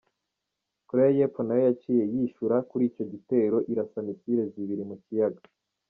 Korea Yepfo nayo yaciye yishura kur'ico gitero, irasa "missiles" zibiri mu kiyaga.